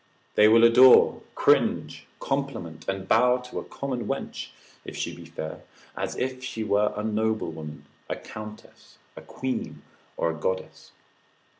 They will adore, cringe, compliment, and bow to a common wench (if she be fair) as if she were a noble woman, a countess, a queen, or a goddess.